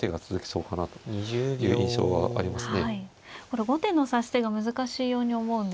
これ後手の指し手が難しいように思うんですが。